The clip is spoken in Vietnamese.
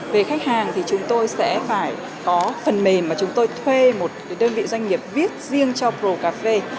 về khách hàng thì chúng tôi sẽ phải có phần mềm mà chúng tôi thuê một đơn vị doanh nghiệp viết riêng cho procafe